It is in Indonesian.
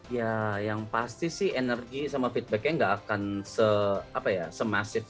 ya yang pasti sih energi sama feedbacknya enggak akan se apa ya semasif